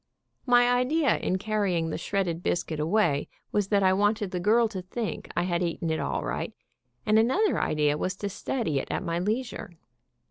My idea in carrying the shredded biscuit away was that I wanted the girl to think I had eaten it all right, and another idea was to study it at my leisure.